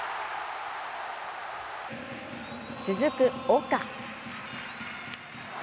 続く、岡。